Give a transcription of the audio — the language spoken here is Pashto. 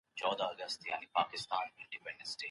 د سولي لار ډاډمنه لار ده.